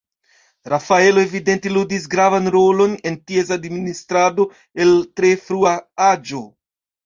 Rafaelo evidente ludis gravan rolon en ties administrado el tre frua aĝo.